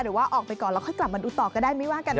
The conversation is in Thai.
หรือว่าออกไปก่อนแล้วค่อยกลับมาดูต่อก็ได้ไม่ว่ากันต่อ